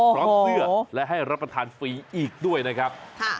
พร้อมเสื้อและให้รับประทานฟรีอีกด้วยนะครับ